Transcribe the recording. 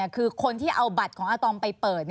คือคนที่เอาบัตรของอาตอมไปเปิด